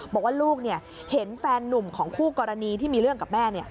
บอกว่าลูกเห็นแฟนนุ่มของคู่กรณีที่มีเรื่องกับแม่